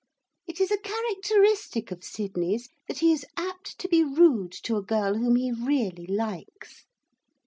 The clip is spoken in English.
It is a characteristic of Sydney's, that he is apt to be rude to a girl whom he really likes.